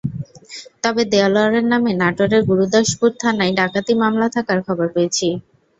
তবে দেলোয়ারের নামে নাটোরের গুরুদাসপুর থানায় ডাকাতি মামলা থাকার খবর পেয়েছি।